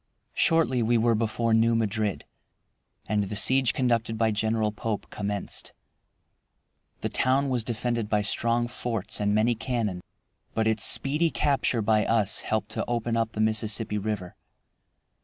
Shortly we were before New Madrid, and the siege conducted by General Pope commenced. The town was defended by strong forts and many cannon, but its speedy capture by us helped to open up the Mississippi River.